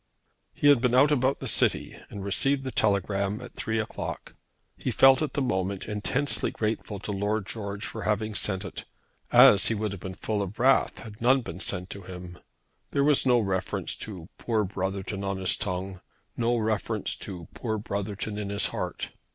He had been out about the city and received the telegram at three o'clock. He felt at the moment intensely grateful to Lord George for having sent it; as he would have been full of wrath had none been sent to him. There was no reference to "Poor Brotherton!" on his tongue; no reference to "Poor Brotherton!" in his heart.